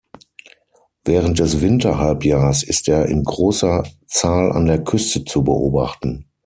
Während des Winterhalbjahrs ist er in großer Zahl an der Küste zu beobachten.